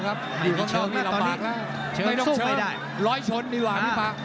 ไม่ต้องชนร้อยชนดีกว่า